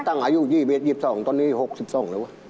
ตั้งอายุ๒๒ตอนนี้๖๒เลยว่ะ